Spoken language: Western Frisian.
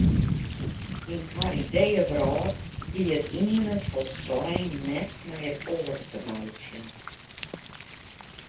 Yn har ideeëwrâld hie it iene folslein net met it oare te meitsjen.